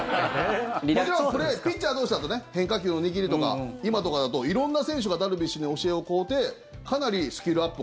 もちろんピッチャー同士だと変化球の握りとか今とかだと色んな選手がダルビッシュに教えを請うてかなりスキルアップ